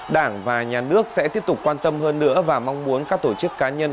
đảng và nhà nước sẽ tiếp tục quan tâm hơn nữa và mong muốn các tổ chức cá nhân